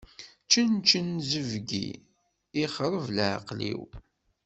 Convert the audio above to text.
Čenčen zebgi, ixreb leɛqel-iw.